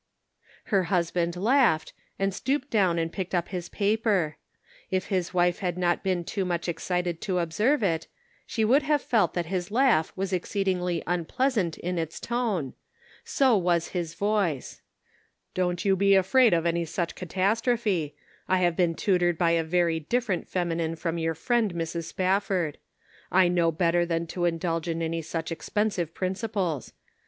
Her husband laughed, and stooped down and picked up his paper. If his wife had not been too much excited to observe it, she would have felt that his laugh was exceedingly un pleasant in its tone ; so was his voice :" Don't you be afraid of any such catas trophe ; I have been tutored by a very different feminine from your friend Mrs. Spafford; I know better than to indulge in any such ex pensive principles.